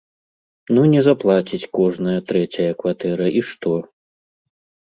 Ну, не заплаціць кожная трэцяя кватэра, і што?